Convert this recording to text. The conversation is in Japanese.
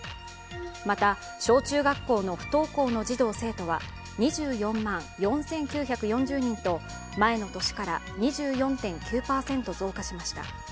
また、小中学校の不登校の児童・生徒は２４万４９４０人と前の年から２４．９％増加しました。